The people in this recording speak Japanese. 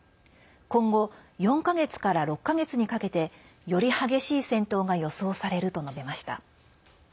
今後４か月から６か月にかけてより激しい戦闘が予想されると述べました。